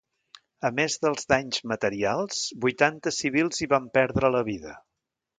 A més dels danys materials, vuitanta civils hi van perdre la vida.